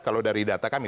kalau dari data kami